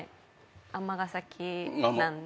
尼崎なんで。